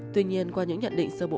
tuy nhiên qua những nhận định sơ bộ